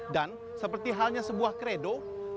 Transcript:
dan seperti halnya sebuah kredo